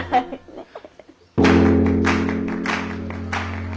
ねえ？